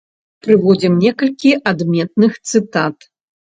Прыводзім некалькі адметных цытат.